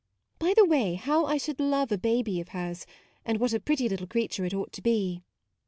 By the way, how I should love a baby of hers, and what a pretty little creature it ought to be.